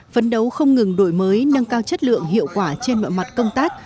phấn đấu không ngừng đổi mới nâng cao chất lượng hiệu quả trên mọi mặt công tác